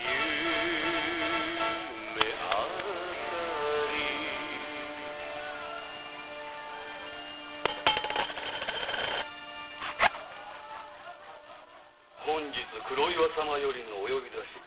「夢あかり」「本日黒岩様よりお呼び出し。